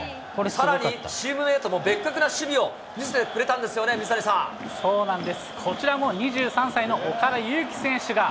さらにチームメートも別格な守備を見せてくれたんですよね、そうなんです、こちらも２３歳の岡田悠希選手が。